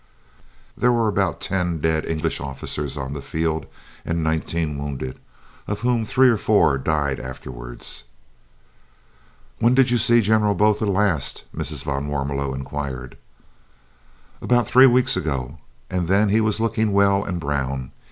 There were about ten dead English officers on the field and nineteen wounded, of whom three or four died afterwards. "When did you see General Botha last?" Mrs. van Warmelo inquired. "About three weeks ago, and then he was looking well and brown.